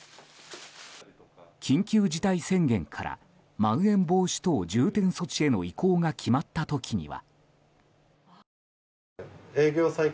緊急事態宣言からまん延防止等重点措置への移行が決まった時には。